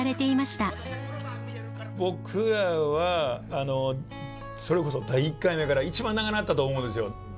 僕らはそれこそ第１回目から一番長なったと思うんですよ。